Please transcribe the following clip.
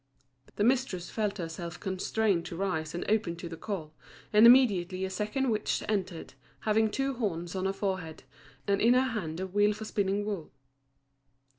The mistress felt herself constrained to rise and open to the call, and immediately a second witch entered, having two horns on her forehead, and in her hand a wheel for spinning wool.